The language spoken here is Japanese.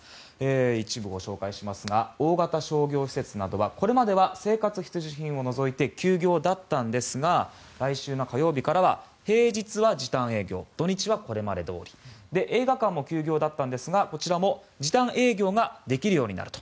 一部ご紹介しますが大型商業施設はこれまでは生活必需品を除いて休業だったんですが来週の火曜日からは平日は時短営業土日はこれまでどおり映画館も休業だったんですがこちらも時短営業ができるようになると。